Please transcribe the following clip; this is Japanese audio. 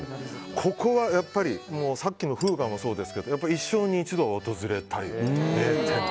ここはやっぱりさっきのＦＵＧＡもそうですけど一生に一度は訪れたい名店で。